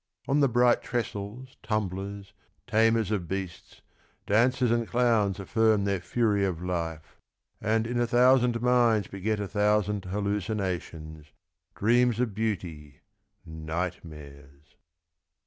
On the bright trestles tumblers, tamers of beasts, Dancers and clowns affirm their fury of life, And in a thousand minds beget a thousand Hallucinations, dreams of beauty, nightmares.